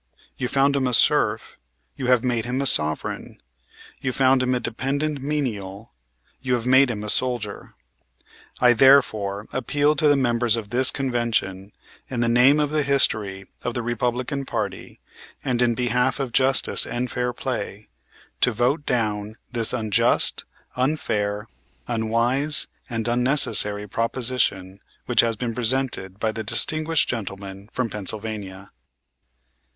You found him a serf; you have made him a sovereign. You found him a dependent menial; you have made him a soldier. I therefore appeal to the members of this Convention, in the name of the history of the Republican party, and in behalf of justice and fair play, to vote down this unjust, unfair, unwise and unnecessary proposition which has been presented by the distinguished gentleman from Pennsylvania."